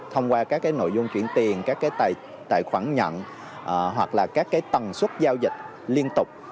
thông qua các cái nội dung chuyển tiền các cái tài khoản nhận hoặc là các cái tầng suất giao dịch liên tục